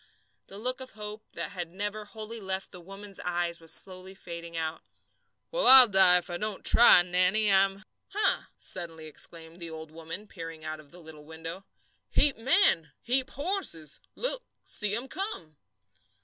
The look of hope that had never wholly left the woman's eyes was slowly fading out. "We'll all die if I don't try, Nannie. I'm " "Huh!" suddenly exclaimed the old woman, peering out of the little window. "Heap men, heap horses! Look, see 'em come!"